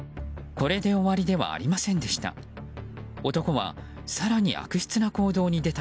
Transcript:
これで終わりではありませんでした。